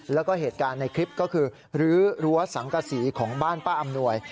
แล้วก็เหตุการณ์ในคลิปก็คือรื้อรั้วสังกษีของบ้านป้าอำนวย